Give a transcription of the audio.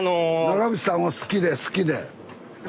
長渕さんを好きで好きで？